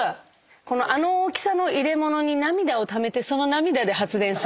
あの大きさの入れ物に涙をためてその涙で発電する。